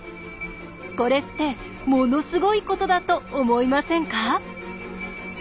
これってものすごいことだと思いませんか？